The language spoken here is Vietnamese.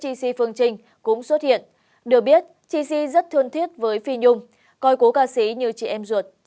ca sĩ chi si phương trinh cũng xuất hiện được biết chi si rất thân thiết với phi nhung coi cô ca sĩ như chị em ruột